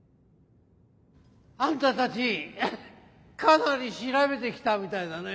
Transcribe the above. あんたたちかなり調べてきたみたいだね。